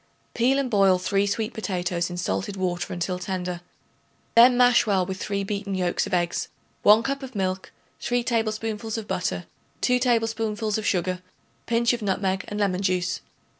Peel and boil 3 sweet potatoes in salted water until tender; then mash well with 3 beaten yolks of eggs, 1 cup of milk, 3 tablespoonfuls of butter, 2 tablespoonfuls of sugar, a pinch of nutmeg and lemon juice.